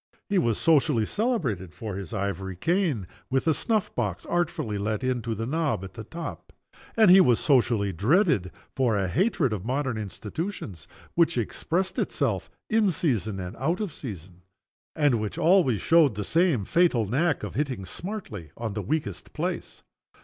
He was socially celebrated for his ivory cane, with a snuff box artfully let into the knob at the top and he was socially dreaded for a hatred of modern institutions, which expressed itself in season and out of season, and which always showed the same, fatal knack of hitting smartly on the weakest place.